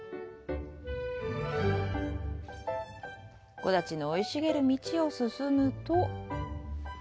木立の生い茂る道を進むと。